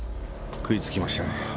食いつきましたね。